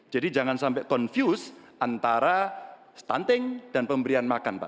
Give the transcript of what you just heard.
jadi jangan sampai confused antara stunting dan pemberian makan pak